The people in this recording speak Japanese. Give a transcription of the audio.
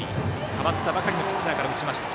代わったばかりのピッチャーから打ちました。